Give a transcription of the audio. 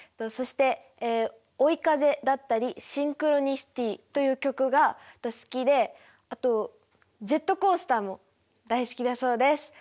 そして「追い風」だったり「シンクロニシティ」という曲が好きであとジェットコースターも大好きだそうです。